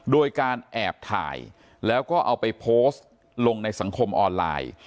โดยการแอบถ่ายแล้วก็เอาไปโพสต์ลงในสังคมออนไลน์